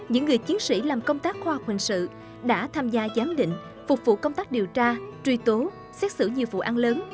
những người chiến sĩ làm công tác khoa học hình sự đã tham gia giám định phục vụ công tác điều tra truy tố xét xử nhiều vụ án lớn